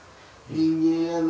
人間やだ。